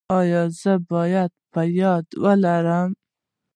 ایا زه باید په یاد ولرم؟